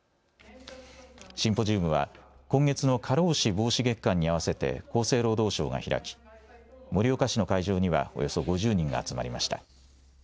シンポジウムは今月の過労死防止月間に合わせて厚生労働省が開き、盛岡市の会場にはおよそ５０人が集まりました。